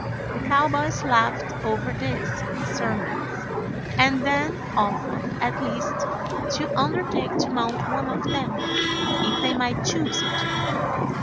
The cowboys laughed over this surmise and then offered at least to undertake to mount one of them, if they might choose it.